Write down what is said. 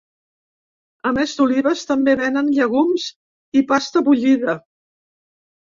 A més d’olives, també venen llegums i pasta bullida.